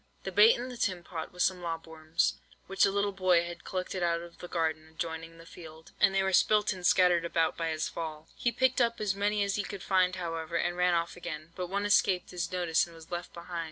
"The bait in the tin pot was some lob worms, which the little boy had collected out of the garden adjoining the field, and they were spilt and scattered about by his fall. "He picked up as many as he could find, however, and ran off again; but one escaped his notice and was left behind.